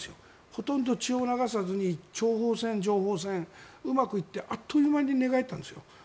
ほとんど血を流さずに諜報戦、情報戦がうまくいってあっという間に寝返ったんですよ。